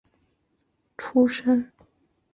滋贺县出身。